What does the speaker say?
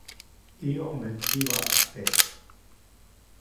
Io mentiva a te.